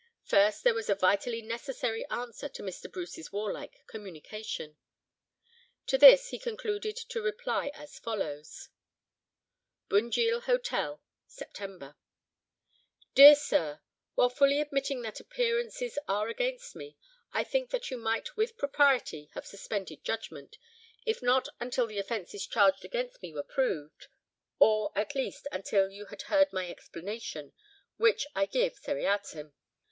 First there was a vitally necessary answer to Mr. Bruce's warlike communication. To this he concluded to reply as follows: "BUNJIL HOTEL, September—. "DEAR SIR,—While fully admitting that appearances are against me, I think that you might with propriety have suspended judgment, if not until the offences charged against me were proved, or, at least, until you had heard my explanation, which I give seriatim.